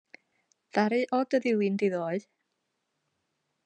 Ddaru o dy ddilyn di ddoe?